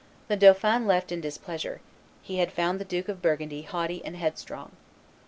The dauphin left in displeasure; he had found the Duke of Burgundy haughty and headstrong.